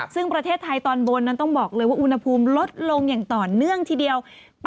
ซึ่งประเทศไทยตอนบนนั้นต้องบอกเลยว่าอุณหภูมิลดลงอย่างต่อเนื่องทีเดียว